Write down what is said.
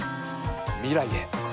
未来へ。